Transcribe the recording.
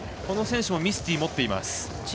この選手もミスティー持っています。